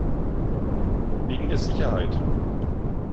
Wegen der Sicherheit.